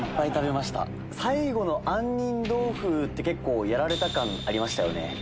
最後の杏仁豆腐って結構やられた感ありましたよね。